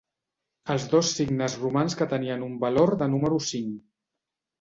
Els dos signes romans que tenien un valor de número cinc.